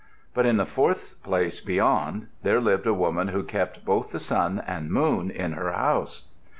But in the fourth place beyond there lived a woman who kept both the sun and moon in her house.